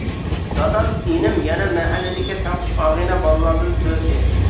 دادام، ئىنىم، يەنە مەھەللىدىكى تەڭتۇش ئاغىنە بالىلاردىن تۆتى.